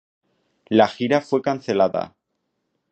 La gira fue cancelada.